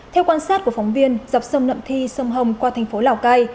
theo quan sát của phóng viên dọc sông nậm thi sông hồng qua thành phố lào cai